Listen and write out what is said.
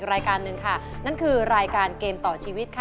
โทษใจโทษใจโทษใจโทษใจโทษใจโทษใจโทษใจโทษใจโทษใจโทษใจโทษใจ